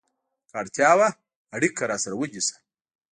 که اړتیا وه، اړیکه راسره ونیسه!